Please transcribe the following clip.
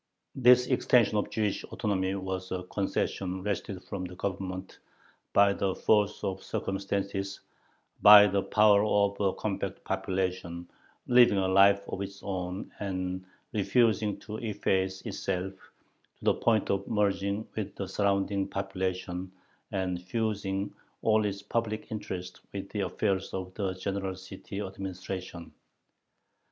This extension of Jewish autonomy was a concession wrested from the Government by the force of circumstances, by the power of a compact population living a life of its own and refusing to efface itself to the point of merging with the surrounding population and fusing all its public interests with the affairs of the general city administration.